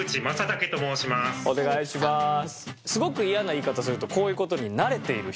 すごく嫌な言い方するとこういう事に慣れている人です。